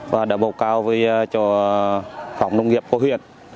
và đã bầu cao cho phòng nông nghiệp của huyện